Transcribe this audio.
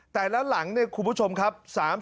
หลังเนี่ยคุณผู้ชมครับ